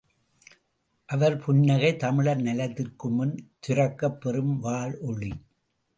அவர் புன்னகை தமிழர் நலத்திற்கு முன் துரக்கப்பெறும் வாள் ஒளி!